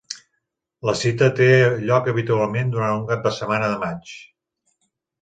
La cita té lloc habitualment durant un cap de setmana de maig.